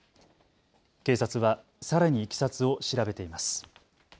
警察はさらにいきさつを調べています。